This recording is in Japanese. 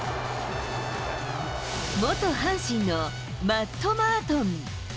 元阪神のマット・マートン。